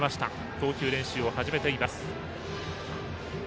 投球練習を始めています。